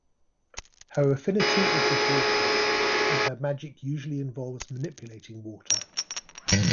Her affinity is with water, and her magic usually involves manipulating water.